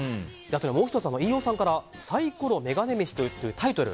もう１つ、飯尾さんからサイコロメガネ飯というタイトル